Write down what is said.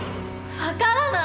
分からない！